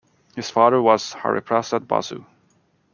His father was Hariprasad Basu.